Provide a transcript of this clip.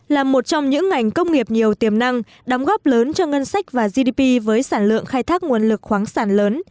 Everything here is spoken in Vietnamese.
là một trong những ngành công nghiệp nhiều tiềm năng đóng góp lớn cho ngân sách và gdp với sản lượng khai thác nguồn lực khoáng sản lớn